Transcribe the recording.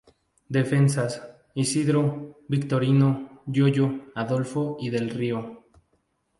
Defensas: Isidro, Victorino, Yoyo, Adolfo y Del Río.